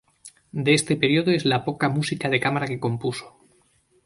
De este período es la poca música de cámara que compuso.